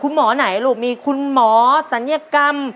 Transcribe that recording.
หมอไหนลูกมีคุณหมอศัลยกรรม